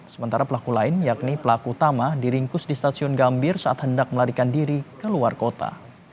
sementara pelaku lain yakni pelaku utama diringkus di stasiun gambir saat hendak melarikan diri ke luar kota